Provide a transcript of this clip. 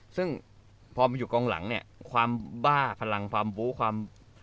ซึ่งพอมาอยู่กองหลังเนี่ยความบ้าพลังความบู้ความ